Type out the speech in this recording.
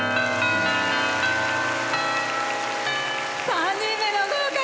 ３人目の合格。